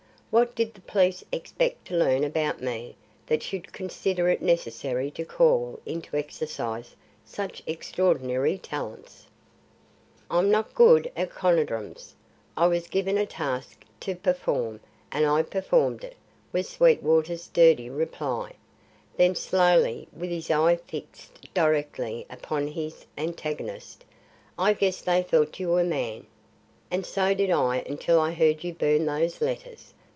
What did the police expect to learn about me that they should consider it necessary to call into exercise such extraordinary talents?" "I'm not good at conundrums. I was given a task to perform, and I performed it," was Sweetwater's sturdy reply. Then slowly, with his eye fixed directly upon his antagonist, "I guess they thought you a man. And so did I until I heard you burn those letters.